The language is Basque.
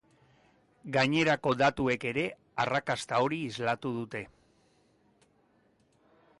Gainerako datuek ere arrakasta hori islatu dute.